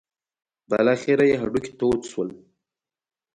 بالاخره یې هډوکي تود شول.